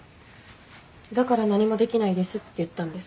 だから「何もできないです」って言ったんです。